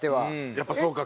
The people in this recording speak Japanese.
やっぱそうか。